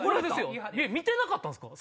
見てなかったんすか？